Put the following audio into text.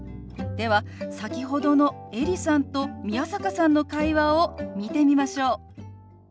では先ほどのエリさんと宮坂さんの会話を見てみましょう。